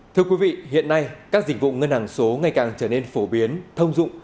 thưa quý vị hiện nay các dịch vụ ngân hàng số ngày càng trở nên phổ biến thông dụng